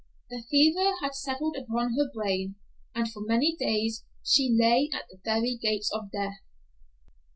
The fever had settled upon her brain, and for many days she lay at the very gates of death.